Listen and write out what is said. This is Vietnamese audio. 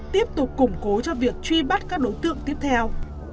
tiếp tục củng cố cho việc truy bắt các đối tượng tiếp theo